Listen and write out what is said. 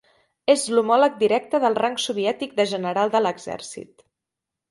És l'homòleg directe del rang soviètic de "General de l'exèrcit".